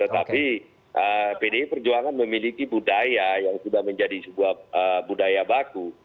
tetapi pdi perjuangan memiliki budaya yang sudah menjadi sebuah budaya baku